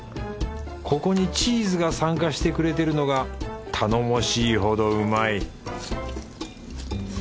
ここにチーズが参加してくれてるのが頼もしいほどうまい